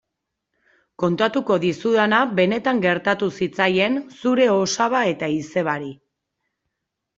Kontatuko dizudana benetan gertatu zitzaien zure osaba eta izebari.